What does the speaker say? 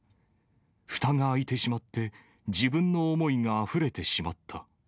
ふたが開いてしまって、自分の思いがあふれてしまった。